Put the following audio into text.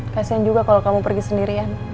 kasian juga kalau kamu pergi sendirian